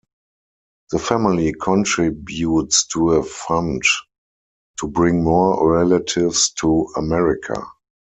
The family contributes to a fund to bring more relatives to America.